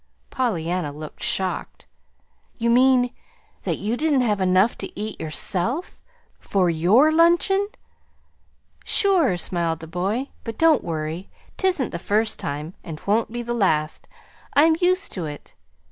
Pollyanna looked shocked. "You mean that you didn't have enough to eat yourself? for YOUR luncheon?" "Sure!" smiled the boy. "But don't worry. Tisn't the first time and 'twon't be the last. I'm used to it.